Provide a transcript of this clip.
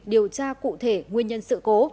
điều tra cụ thể nguyên nhân sự cố